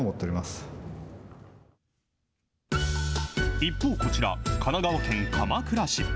一方こちら、神奈川県鎌倉市。